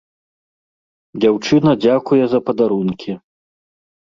Дзяўчына дзякуе за падарункі.